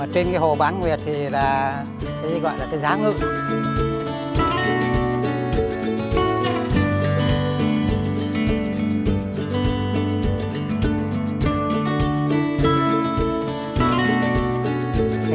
trên cái hồ bán nguyệt thì gọi là cái giá ngự